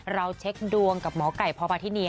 เราเช็คดวงกับหมอไก่พอมาที่นี่